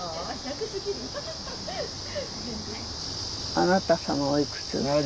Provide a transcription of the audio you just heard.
あなた様はおいくつ？